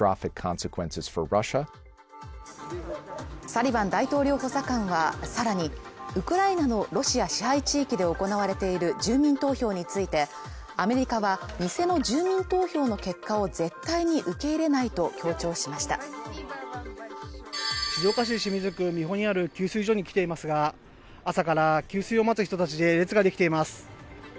サリバン大統領補佐官はさらにウクライナのロシア支配地域で行われている住民投票についてアメリカは偽の住民投票の結果を絶対に受け入れないと強調しました静岡市清水区三保にある給水所に来ていますが朝から給水を待つ人たちで列ができています